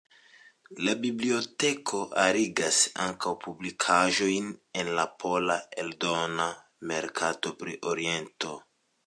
La biblioteko arigas ankaŭ publikaĵojn el la pola eldona merkato pri Oriento.